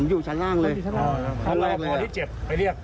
ผมอยู่ชั้นล่างเลยทะเลาะที่เจ็บไปเรียก